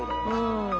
うん。